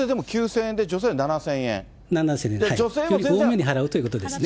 多めに払うということですね。